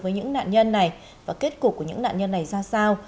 với những nạn nhân này và kết cục của những nạn nhân này ra sao